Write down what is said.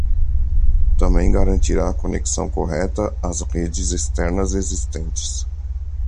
Também garantirá a conexão correta às redes externas existentes.